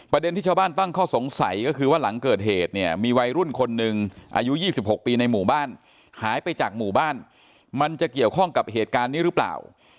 ที่ชาวบ้านตั้งข้อสงสัยก็คือว่าหลังเกิดเหตุเนี่ยมีวัยรุ่นคนหนึ่งอายุ๒๖ปีในหมู่บ้านหายไปจากหมู่บ้านมันจะเกี่ยวข้องกับเหตุการณ์นี้หรือเปล่า